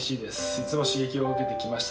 いつも刺激を受けてきました。